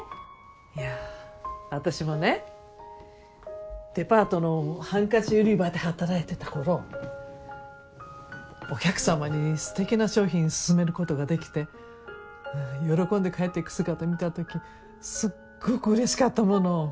いや私もねデパートのハンカチ売り場で働いてたころお客さまにすてきな商品薦めることができて喜んで帰っていく姿見たときすっごくうれしかったもの。